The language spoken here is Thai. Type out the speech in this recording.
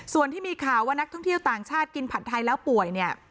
ส่วนที่มีข่าวว่านักท่องเที่ยวต่างชาติกินผัดไทยแล้วป่วยเนี่ย